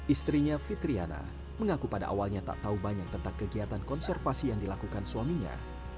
istrinya fitriana mengaku pada awalnya tak tahu banyak tentang kegiatan konservasi yang dilakukan suaminya